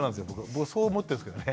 僕はそう思ってるんですけどね。